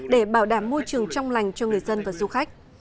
để bảo đảm môi trường trong lành cho người dân và du khách